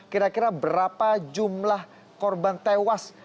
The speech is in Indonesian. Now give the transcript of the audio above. kira kira berapa jumlah korban tewas